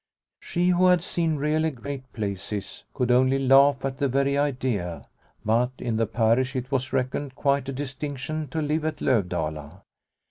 She, who had seen really great places, could only laugh at the very idea, but in the parish it was reckoned quite a distinction to live at Lovdala.